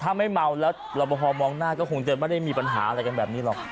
ถ้าไม่เมาแล้วรับประพอมองหน้าก็คงจะไม่ได้มีปัญหาอะไรกันแบบนี้หรอก